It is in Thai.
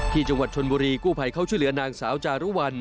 ที่จังหวัดชนบุรีกู้ภัยเขาช่วยเหลือนางสาวจารุวัล